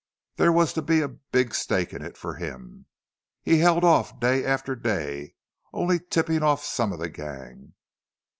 There was to be a big stake in it for him. He held off day after day, only tippin' off some of the gang.